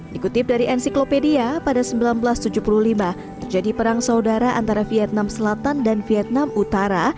dikutip dari ensiklopedia pada seribu sembilan ratus tujuh puluh lima terjadi perang saudara antara vietnam selatan dan vietnam utara